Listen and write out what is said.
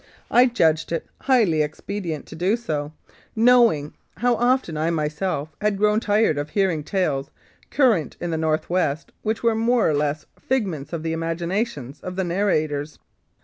I judged it highly ex 150 The Crooked Lakes Affair pedient to do so, knowing how often I myself had grown tired of hearing tales current in the North West which were more or less figments of the imaginations of the narrators.